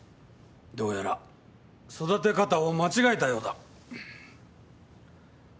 どうやら育て方を間違えたようだ。